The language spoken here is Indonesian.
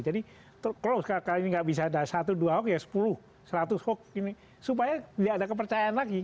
jadi terus kalau sekarang nggak bisa ada dua belas ya sepuluh seratus hoax ini supaya tidak ada kepercayaan lagi